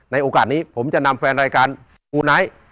ในสัตว์นี้ผมจะนำแฟนรายการอูนไนท์